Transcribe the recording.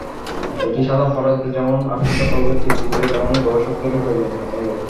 এটি সাধারণ পাঠকদের যেমন আকৃষ্ট করবে, তৃপ্তি দেবে, তেমনি গবেষকদেরও প্রয়োজন মেটাবে।